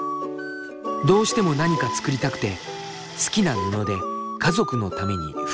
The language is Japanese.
どうしても何か作りたくて好きな布で家族のために服を縫った。